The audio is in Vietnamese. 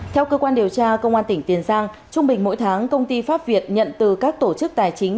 theo cơ quan điều tra công an tỉnh tiền giang trung bình mỗi tháng công ty pháp việt nhận từ các tổ chức tài chính